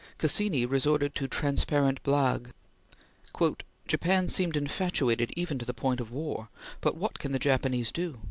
Cassini resorted to transparent blague: "Japan seemed infatuated even to the point of war! But what can the Japanese do?